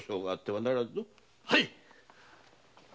はい。